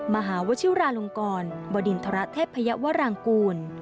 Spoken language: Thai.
มหาวชิวราลงกรบดินทรเทพยวรางกูล